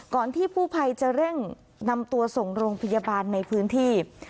ที่กู้ภัยจะเร่งนำตัวส่งโรงพยาบาลในพื้นที่